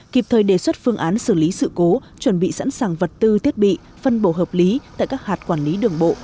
kịp thời đề xuất phương án xử lý sự cố chuẩn bị sẵn sàng vật tư thiết bị phân bổ hợp lý tại các hạt quản lý đường bộ